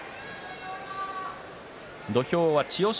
土俵は千代翔